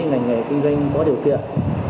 ngành nghề kinh doanh có điều kiện